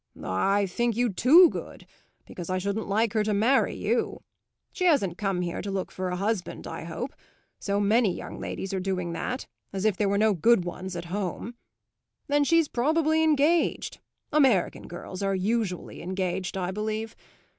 "I think you too good because I shouldn't like her to marry you. She hasn't come here to look for a husband, I hope; so many young ladies are doing that, as if there were no good ones at home. Then she's probably engaged; American girls are usually engaged, I believe.